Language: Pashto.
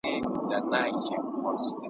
او د پردیو په پسرلي کي مي `